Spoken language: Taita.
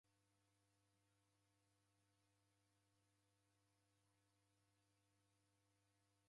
Krismasi chajighwa mpaka mwaka m'mbishi.